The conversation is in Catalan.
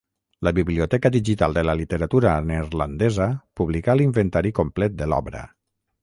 La Biblioteca digital de la literatura neerlandesa publicà l'inventari complet de l'obra.